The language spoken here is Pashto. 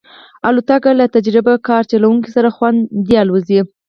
الوتکه له تجربهکار چلونکي سره خوندي الوزي.